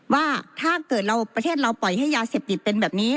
ว่าถ้าเกิดเราประเทศเราปล่อยให้ยาเสพติดเป็นแบบนี้